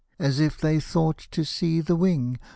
As if they thought to see the wing.